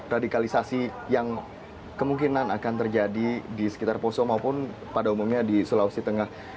radikalisasi yang kemungkinan akan terjadi di sekitar poso maupun pada umumnya di sulawesi tengah